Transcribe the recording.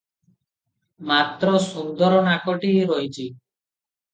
ମାତ୍ର ସୁନ୍ଦର ନାକଟି ରହିଚି ।